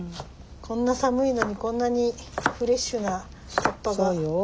こんな寒いのにこんなにフレッシュな葉っぱが。